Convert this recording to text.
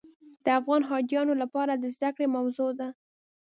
د افغان حاجیانو لپاره د زده کړې موضوع ده.